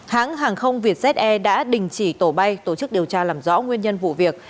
hãng hàng không vietjet air đã đình chỉ tổ bay tổ chức điều tra làm rõ nguyên nhân vụ việc